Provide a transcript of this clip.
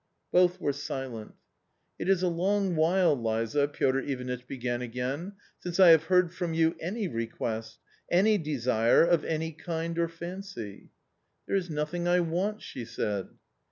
Both were silent " It is a long while, Liza," Piotr Ivanitch began again, "since I have heard from you any request, any desire of any kind or fancy." " Th^re \$ nothing I want," she said.